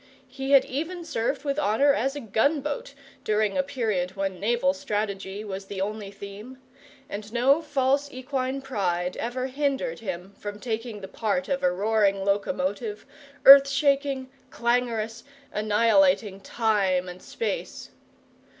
He had even served with honour as a gun boat, during a period when naval strategy was the only theme; and no false equine pride ever hindered him from taking the part of a roaring locomotive, earth shaking, clangorous, annihilating time and space.